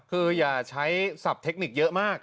คืออย่าใช้ศัพทเทคนิคเยอะมาก